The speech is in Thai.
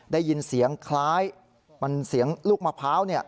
ได้ยินเสียงคล้ายมันเสียงลูกมะพร้าว